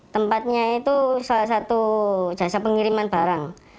tempatnya itu salah satu jasa pengiriman barang